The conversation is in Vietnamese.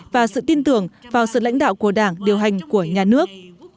và sự tin tưởng vào sự lãnh đạo của đảng điều hành của nhà nước